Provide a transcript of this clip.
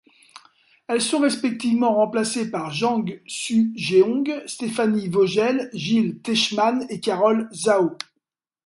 Elles sont respectivement remplacées par Jang Su-jeong, Stefanie Vögele, Jil Teichmann et Carol Zhao.